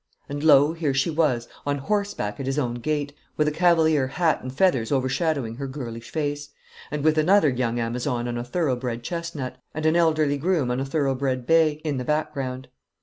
And lo, here she was, on horseback at his own gate; with a cavalier hat and feathers overshadowing her girlish face; and with another young Amazon on a thorough bred chestnut, and an elderly groom on a thorough bred bay, in the background.